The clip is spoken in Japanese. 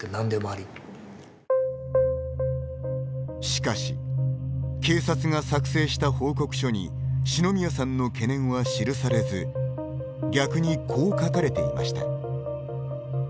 しかし警察が作成した報告書に四ノ宮さんの懸念は記されず逆に、こう書かれていました。